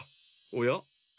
おや？